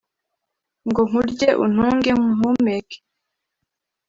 ngo nkurye untunge nkuhumeke